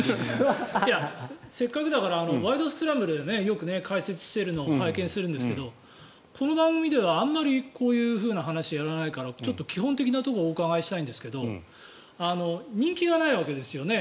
いや、せっかくだから「ワイド！スクランブル」でよく解説しているのを拝見するんですがこの番組ではあんまりこういう話をやらないからちょっと基本的なところをお伺いしたいんですが人気がないわけですよね